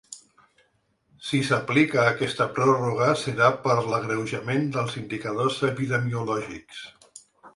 Si s’aplica aquesta pròrroga serà per l’agreujament dels indicadors epidemiològics.